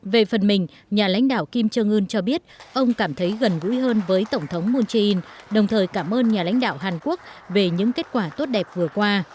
về phần mình nhà lãnh đạo kim trương ưn cho biết ông cảm thấy gần gũi hơn với tổng thống moon jae in đồng thời cảm ơn nhà lãnh đạo hàn quốc về những kết quả tốt đẹp vừa qua